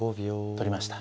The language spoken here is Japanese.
取りました。